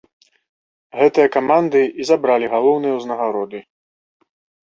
Гэтыя каманды і забралі галоўныя ўзнагароды.